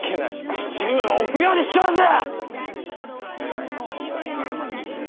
父上は臆病で卑怯じゃ！